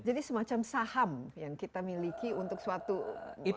jadi semacam saham yang kita miliki untuk suatu produk gitu